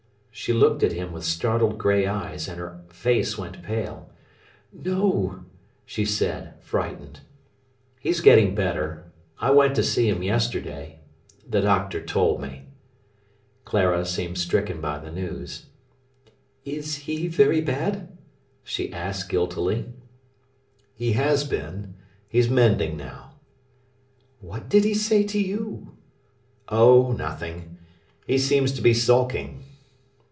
She looked at him with startled grey eyes, and her face went pale. "No," she said, frightened. "He's getting better. I went to see him yesterday—the doctor told me." Clara seemed stricken by the news. "Is he very bad?" she asked guiltily. "He has been. He's mending now." "What did he say to you?" "Oh, nothing! He seems to be sulking."